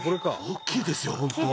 「大きいですよ」